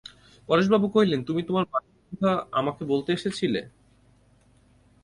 পরেশবাবু কহিলেন, তুমি তোমার মাসির কথা আমাকে বলতে এসেছিলে?